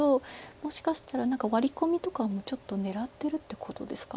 もしかしたら何かワリコミとかもちょっと狙ってるってことですか。